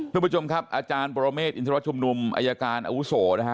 คุณผู้ชมครับอาจารย์ปรเมฆอินทรชุมนุมอายการอาวุโสนะฮะ